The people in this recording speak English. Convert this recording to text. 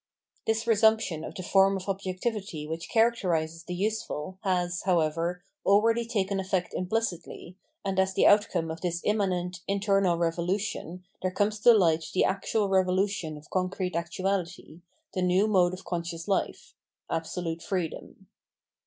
This resumption of the form of objectivity which characterises the useful has, however, already taken effect implicitly, and as the outcome of this immanent interna! revolution there comes to light the actual revolution of concrete actuality, the new mode of conscious life — absolute freedom.